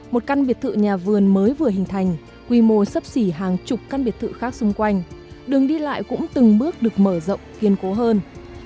một căn biệt thự nhà vườn mới vừa hình thành quy mô sắp xỉ hàng chục căn biệt thự khác xung quanh đường đi lại cũng từng bước được mở rộng kiên cố hơn